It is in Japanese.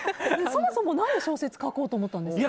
そもそも何で小説を書こうと思ったんですか？